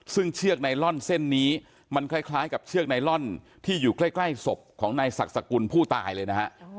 ซึ่งเชือกไนลอนเส้นนี้มันคล้ายกับเชือกไนลอนที่อยู่ใกล้ศพของนายศักดิ์สกุลผู้ตายเลยนะฮะ